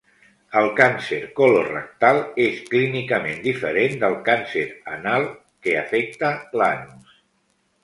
El càncer colorectal és clínicament diferent del càncer anal, que afecta l'anus.